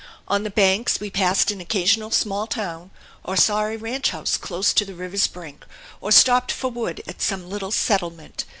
On the banks we passed an occasional small town, or saw a ranch house close to the river's brink, or stopped for wood at some little settlement.